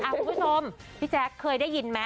คุณผู้ชมพี่แจ๊คเคยได้ยินไหม